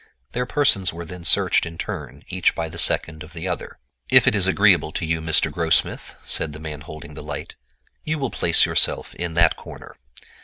Their persons were then searched in turn, each by the second of the other. "If it is agreeable to you, Mr. Grossmith," said the man holding the light, "you will place yourself in that corner."